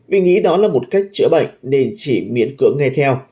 vì nghĩ đó là một cách chữa bệnh nên chỉ miễn cưỡng nghe theo